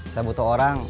saya butuh orang